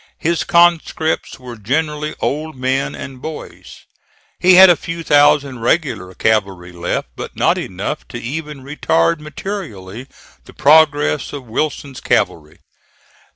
His conscripts were generally old men and boys. He had a few thousand regular cavalry left, but not enough to even retard materially the progress of Wilson's cavalry.